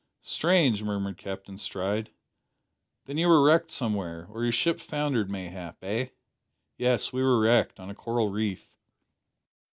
"Strange!" murmured Captain Stride. "Then you were wrecked somewhere or your ship foundered, mayhap eh?" "Yes, we were wrecked on a coral reef."